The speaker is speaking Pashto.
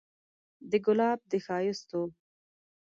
د ګلاب د ښايستو